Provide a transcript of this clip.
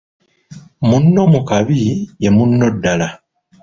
Munno mu kabi ye munno ddaala.